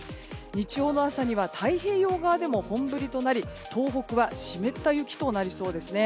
日曜の朝には太平洋側でも本降りとなり東北は湿った雪となりそうですね。